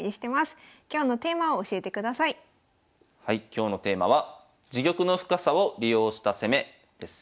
今日のテーマは「自玉の深さを利用した攻め」です。